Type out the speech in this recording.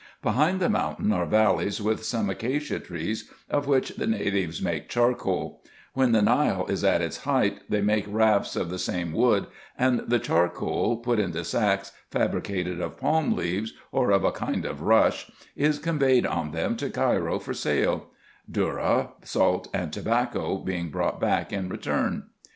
Behind the mountain are valleys with some acacia trees, of which the natives make charcoal : when the Nile is at its height, they make rafts of the same wood; and the charcoal, put into sacks fabricated of palm leaves, or of a kind of rush, is conveyed on them to Cairo for sale ; dhourra, salt, and tobacco, being brought back in return.